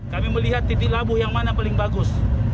kami melihat titik labuh yang mana paling bagus